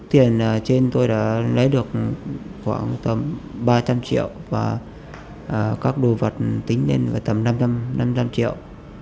tiền trên tôi đã lấy được khoảng tầm ba trăm linh triệu và các đồ vật tính lên tầm năm trăm linh triệu